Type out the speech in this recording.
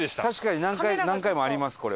確かに何回もあります